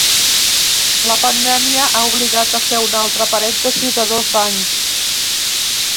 La pandèmia ha obligat a fer un altre parèntesi de dos anys.